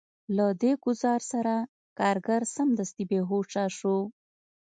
له دې ګزار سره کارګر سمدستي بې هوښه شو